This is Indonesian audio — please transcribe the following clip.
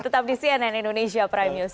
tetap di cnn indonesia prime news